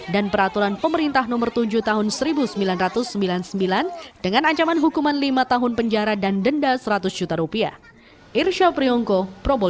dan peraturan pemerintah nomor tujuh tahun seribu sembilan ratus sembilan puluh sembilan dengan ancaman hukuman lima tahun penjara dan denda seratus juta rupiah